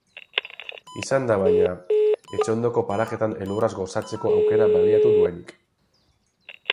Izan da baina, etxe ondoko parajeetan elurraz gozatzeko aukera baliatu duenik.